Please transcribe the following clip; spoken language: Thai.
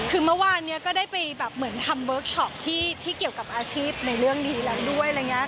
คือเมื่อวานนี้ก็ได้ไปแบบเหมือนทำเวิร์คชอปที่เกี่ยวกับอาชีพในเรื่องนี้แล้วด้วยอะไรอย่างนี้